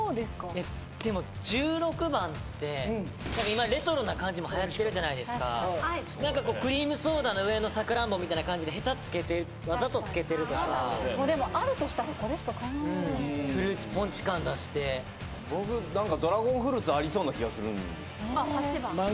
いやでも１６番って何か今レトロな感じもはやってるじゃないですか何かこうクリームソーダの上のさくらんぼみたいな感じでヘタつけてわざとつけてるとかもうでもあるとしたらこれしか考えられないフルーツポンチ感出して僕何かドラゴンフルーツありそうな気がするんですよ